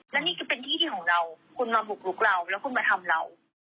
และนี่คือเป็นที่ที่ของเราคุณมาบุกลุกเราแล้วคุณมาทำเรา